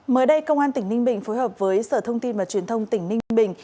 mới đây công an tỉnh ninh bình phối hợp với sở thông tin và truyền thông tỉnh ninh bình